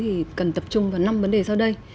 thì cần tập trung vào năm vấn đề sau đây